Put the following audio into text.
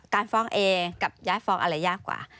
การฟ้องเอกับย้ายฟ้องอะไรยากกว่า